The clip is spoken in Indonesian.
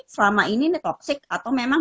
selama ini toxic atau memang